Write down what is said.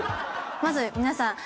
まず皆さん